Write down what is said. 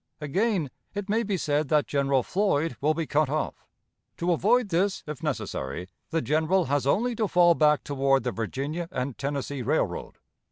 Again, it may be said that General Floyd will be cut off. To avoid this, if necessary, the General has only to fall back toward the Virginia and Tennessee Railroad.